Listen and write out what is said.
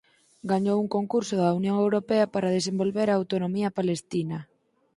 Gañou un concurso da Unión Europea para desenvolver a autonomía palestina.